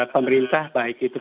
pemerintah baik itu